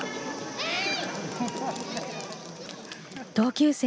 はい。